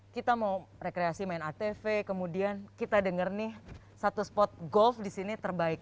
kita mau rekreasi main atv kemudian kita denger nih satu spot golf di sini terbaik